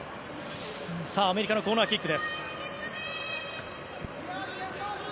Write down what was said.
アメリカのコーナーキック。